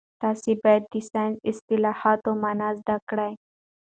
تاسي باید د ساینسي اصطلاحاتو مانا زده کړئ.